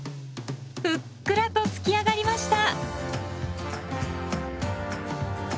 ふっくらとつきあがりました！